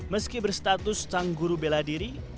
meski berstatus sang guru bela diri